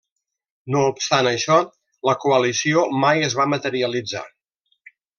No obstant això, la coalició mai es va materialitzar.